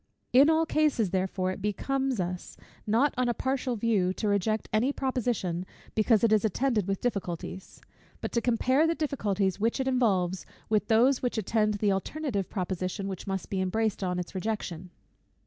In all cases, therefore, it becomes us, not on a partial view to reject any proposition, because it is attended with difficulties; but to compare the difficulties which it involves, with those which attend the alternative proposition which must be embraced on its rejection.